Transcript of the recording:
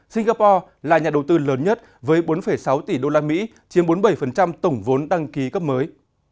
singapore là nhà đầu tư lớn nhất với bốn sáu tỷ usd chiếm bốn mươi bảy tổng vốn đăng ký cấp mới